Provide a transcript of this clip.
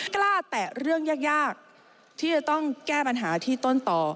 แตะเรื่องยากที่จะต้องแก้ปัญหาที่ต้นต่อ